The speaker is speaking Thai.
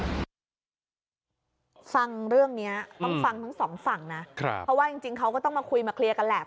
ฟังเรื่องนี้ต้องฟังทั้งสองฝั่งนะครับเพราะว่าจริงจริงเขาก็ต้องมาคุยมาเคลียร์กันแหละ